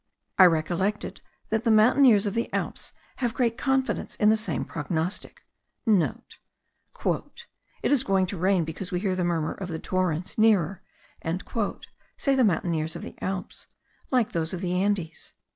I recollected that the mountaineers of the Alps have great confidence in the same prognostic.* (* "It is going to rain, because we hear the murmur of the torrents nearer," say the mountaineers of the Alps, like those of the Andes.